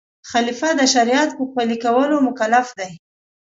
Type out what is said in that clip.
خلیفه د شریعت په پلي کولو مکلف دی.